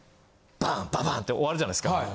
バンババンって終わるじゃないですか。